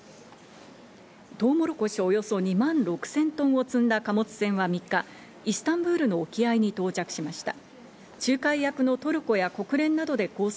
トウモロコシ、およそ２万６０００トンを積んだ貨物船は３日、イスタンブールの沖合に到着しました。